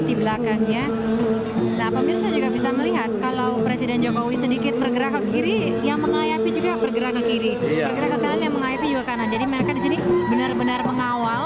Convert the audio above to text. terhadap sebuah kemampuan yang berharga dan berharga yang berharga yang berharga